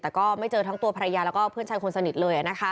แต่ก็ไม่เจอทั้งตัวภรรยาแล้วก็เพื่อนชายคนสนิทเลย